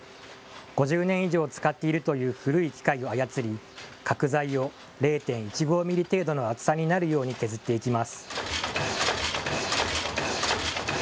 ５０年以上使っているという古い機械を操り、角材を０．１５ミリ程度の厚さになるように削っていきます。